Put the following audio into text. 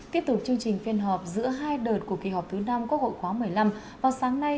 tiếp tục chương trình phiên họp giữa hai đợt của kỳ họp thứ năm quốc hội khóa một mươi năm vào sáng nay